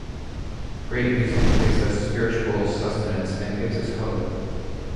Great music gives us spiritual sustenance and gives us hope.